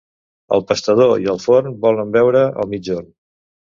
El pastador i el forn volen veure el migjorn.